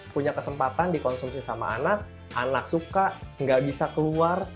punya kesempatan dikonsumsi sama anak anak suka nggak bisa keluar